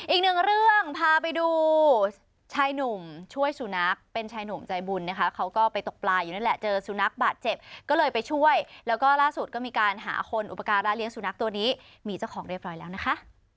อีกหนึ่งเรื่องพาไปดูชายหนุ่มช่วยสุนัขเป็นชายหนุ่มใจบุญนะคะเขาก็ไปตกปลาอยู่นั่นแหละเจอสุนัขบาดเจ็บก็เลยไปช่วยแล้วก็ล่าสุดก็มีการหาคนอุปการะเลี้ยสุนัขตัวนี้มีเจ้าของเรียบร้อยแล้วนะคะ